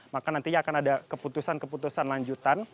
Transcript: maka nantinya akan ada keputusan keputusan lanjutan